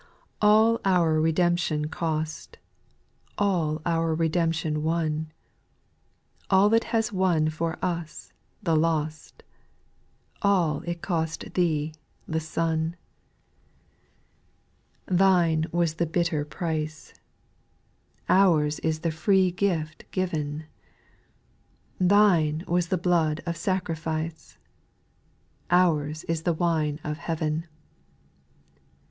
2. All our redemption cost. All our redemption won ; All it has won for us, the lost ; All it cost Thee, the Son. SPIRITUAL SONGS, 146 3. Thine was the bitter price, —■ Ours is the free gift, given ; Thine was the blood of sacrifice, Ours is the wine of heaven.